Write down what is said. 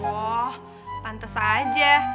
oh pantes aja